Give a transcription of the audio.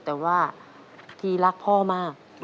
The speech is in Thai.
แต่ว่าทีรักพ่อมาก